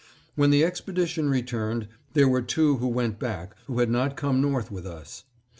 When the expedition returned, there were two who went back who had not come north with us.